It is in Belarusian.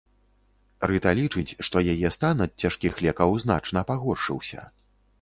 Рыта лічыць, што яе стан ад цяжкіх лекаў значна пагоршыўся.